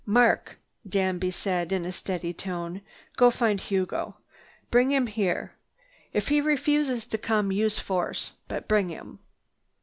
"Mark," Danby said in a steady tone, "go find Hugo. Bring him here. If he refuses to come, use force—but bring him!"